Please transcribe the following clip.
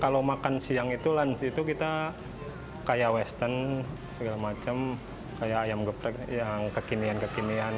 kalau makan siang itu lansi itu kita kayak western segala macam kayak ayam geprek yang kekinian kekinian